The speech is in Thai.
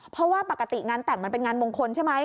เพราะว่าปกติงานแต่งมันเป็นงานมงคลใช่ไหม